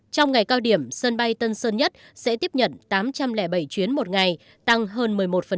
trong ngày cao điểm sân bay tân sơn nhất sẽ tiếp nhận tám trăm linh bảy chuyến một ngày tăng hơn một mươi một